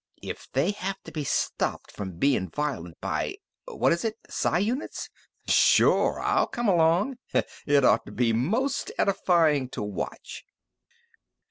If they have to be stopped from bein' violent by what is it? Psi units? Sure I'll come along! It'd ought to be most edifyin' to watch!"